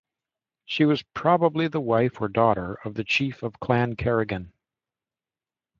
She was probably the wife or daughter of the chief of Clan Kerrigan.